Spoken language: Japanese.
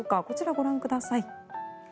こちら、ご覧ください。